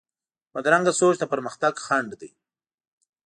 بدرنګه سوچ د پرمختګ خنډ دی